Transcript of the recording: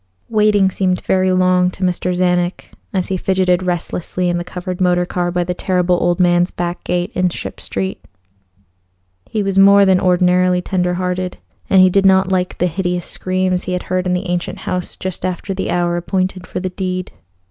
Waiting seemed very long to Mr. Czanek as he fidgeted restlessly in the covered motor car by the Terrible Old Man's back gate in Ship Street. He was more than ordinarily tender hearted, and he did not like the hideous screams he had heard in the ancient house just after the hour appointed for the deed.